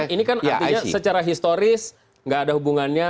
ini kan artinya secara historis nggak ada hubungannya